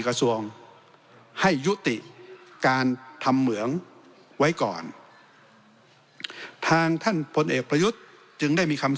กระทรวงให้ยุติการทำเหมืองไว้ก่อนทางท่านพลเอกประยุทธ์จึงได้มีคำ